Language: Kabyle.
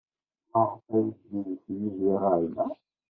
Maɣef ay d-yudef Yidir ɣer da?